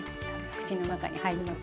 口の中に入ります。